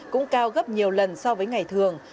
cũng cao gấp nhiều lần so với ngày thường